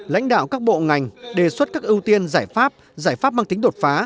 lãnh đạo các bộ ngành đề xuất các ưu tiên giải pháp giải pháp mang tính đột phá